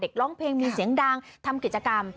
ร้องเพลงมีเสียงดังทำกิจกรรม